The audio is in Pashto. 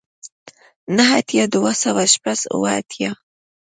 نه اتیای دوه سوه شپږ اوه اتیا